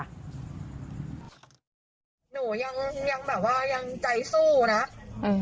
หนูยังแบบว่ายังใจสู้นะ